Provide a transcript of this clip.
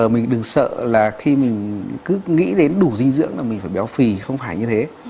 mình đừng sợ là khi mình cứ nghĩ đến đủ dinh dưỡng là mình phải béo phì không phải như thế